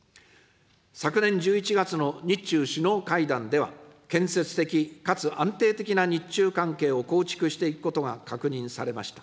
昨年１１月の日中首脳会談では、建設的、かつ安定的な日中関係を構築していくことが確認されました。